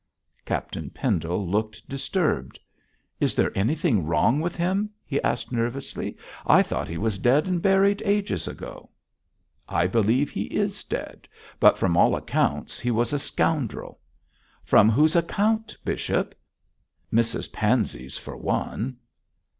Captain Pendle looked disturbed. 'Is there anything wrong with him?' he asked nervously. 'I thought he was dead and buried ages ago.' 'I believe he is dead; but from all accounts he was a scoundrel.' 'From whose account, bishop?' 'Mrs Pansey's for one.'